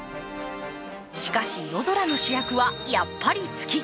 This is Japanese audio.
しかし、夜空の主役はやっぱり月。